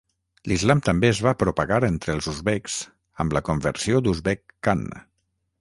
L'islam també es va propagar entre els uzbeks amb la conversió d'Uzbeg Khan.